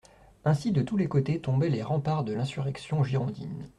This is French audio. Ainsi de tous les côtés tombaient les remparts de l'insurrection girondine.